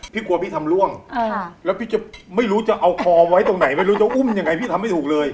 กลัวพี่ทำล่วงแล้วพี่จะไม่รู้จะเอาคอไว้ตรงไหนไม่รู้จะอุ้มยังไงพี่ทำไม่ถูกเลย